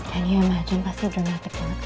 can you imagine pasti dramatic banget guys